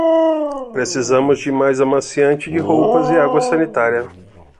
Precisamos de mais amaciante de roupas e água sanitária